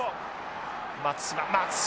松島松島。